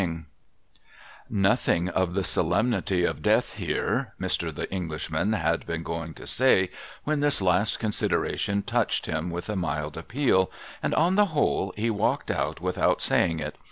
300 SOMEBODY'S LUGGAGE ' Nothing of the solemnity of Death here,' Mr. The Enghshnlan had been going to say, when this last consideration touched him with a mild a])peal, and on the whole he walked out without saying it.